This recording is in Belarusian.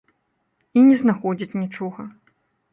І не знаходзяць нічога.